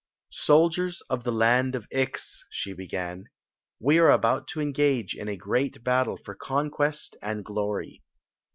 "Soldiers of the land of Ix," began, "we are about to engage in a great battle for conquest and glory.